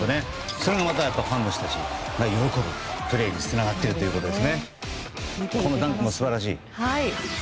それもまたファンの人たちが喜ぶプレーにつながっているということです。